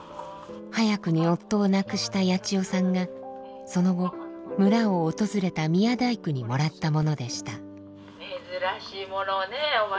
早くに夫を亡くしたヤチヨさんがその後村を訪れた宮大工にもらったものでした。